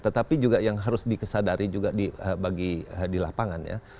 tetapi juga yang harus dikesadari juga bagi di lapangan ya